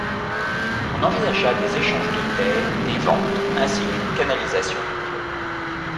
On envisagea des échanges de terres, des ventes, ainsi qu'une canalisation du fleuve.